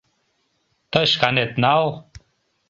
Тый шканет нал.